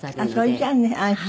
それじゃあね安心。